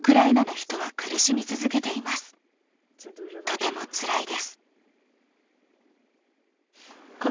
とてもつらいです。